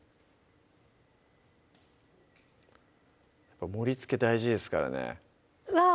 やっぱ盛りつけ大事ですからねうわ